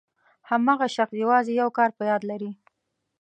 هماغه شخص یوازې یو کار په یاد لري.